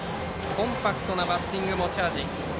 コンパクトなバッティングが持ち味。